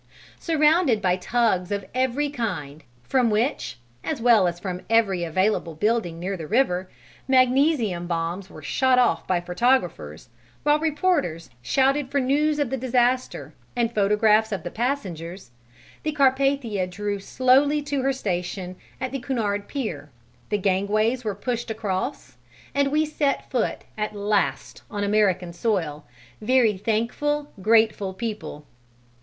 Surrounded by tugs of every kind, from which (as well as from every available building near the river) magnesium bombs were shot off by photographers, while reporters shouted for news of the disaster and photographs of passengers, the Carpathia drew slowly to her station at the Cunard pier, the gangways were pushed across, and we set foot at last on American soil, very thankful, grateful people.